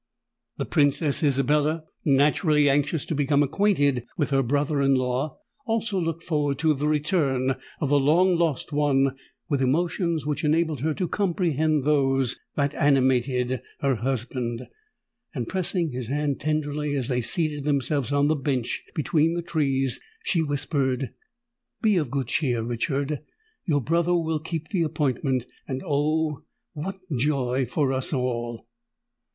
The Princess Isabella, naturally anxious to become acquainted with her brother in law, also looked forward to the return of the long lost one with emotions which enabled her to comprehend those that animated her husband; and pressing his hand tenderly as they seated themselves on the bench between the trees, she whispered, "Be of good cheer, Richard: your brother will keep the appointment—and oh! what joy for us all!"